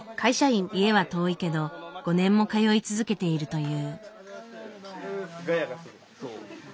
家は遠いけど５年も通い続けているという。